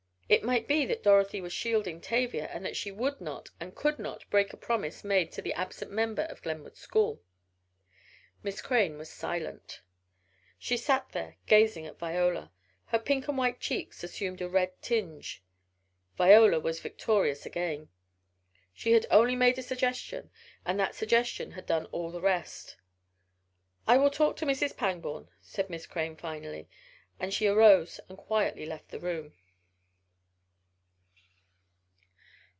It might be that Dorothy was shielding Tavia and that she would not and could not break a promise made to the absent member of Glenwood school. Miss Crane was silent. She sat there gazing at Viola. Her pink and white cheeks assumed a red tinge. Viola was victorious again. She had only made a suggestion and that suggestion had done all the rest. "I will talk to Mrs. Pangborn," said Miss Crane finally, and she arose and quietly left the room.